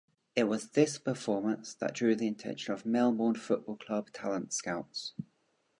It was this performance that drew the attention of Melbourne Football Club talent scouts.